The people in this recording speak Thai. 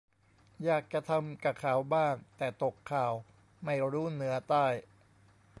อยากจะทำกะเขาบ้างแต่ตกข่าว ไม่รู้เหนือใต้